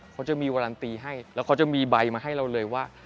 เขาจะมีการันตีให้แล้วเขาจะมีใบมาให้เราเลยว่า